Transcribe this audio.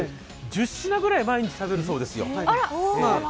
１０品ぐらい、毎日食べるそうですよ